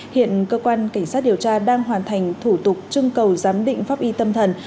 hiện cơ quan cảnh sát điều tra đang hoàn thành thủ tục trưng cầu giám định pháp y tâm thần